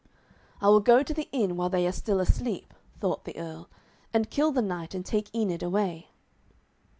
'I will go to the inn while they are still asleep,' thought the Earl, 'and kill the knight and take Enid away.'